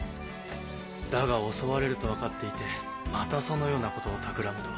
だが襲われると分かっていてまたそのようなことをたくらむとは。